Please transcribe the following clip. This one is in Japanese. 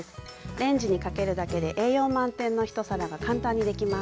レンジにかけるだけで栄養満点の一皿が簡単にできます。